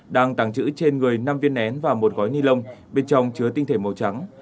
đang tàng trữ trên người năm viên nén và một gói ni lông bên trong chứa tinh thể màu trắng